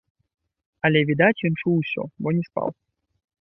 Але відаць, ён чуў усё, бо не спаў.